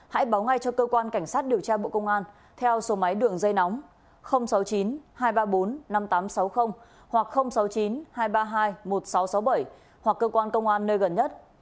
hãy báo ngay cho cơ quan cảnh sát điều tra bộ công an theo số máy đường dây nóng sáu mươi chín hai trăm ba mươi bốn năm nghìn tám trăm sáu mươi hoặc sáu mươi chín hai trăm ba mươi hai một nghìn sáu trăm sáu mươi bảy hoặc cơ quan công an nơi gần nhất